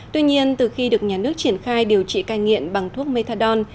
tuy nhiên từ khi được nhà nước triển khai điều trị ca nghiện bằng thuốc methadone